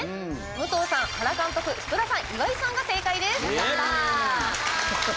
武藤さん、原監督福田さん、岩井さんが正解です。